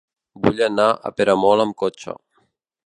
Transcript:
Vull anar a Peramola amb cotxe.